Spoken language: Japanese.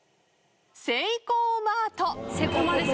セイコーマート。